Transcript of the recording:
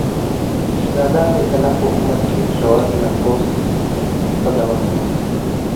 شهزاده میترنیخ په حکومت کې ژور نفوذ غځولی و.